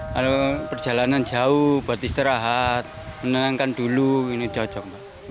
kalau perjalanan jauh buat istirahat menenangkan dulu ini cocok